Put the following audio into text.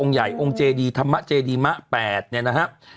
องค์ใหญ่องค์เจดีทะมะเจดีมาเพจนะครับ